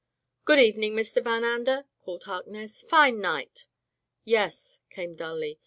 "Good evening, Mr. Van Ander," called Harkness. "Fine night." "Yes," came dully.